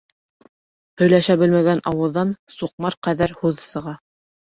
Һөйләшә белмәгән ауыҙҙан суҡмар ҡәҙәр һүҙ сыға.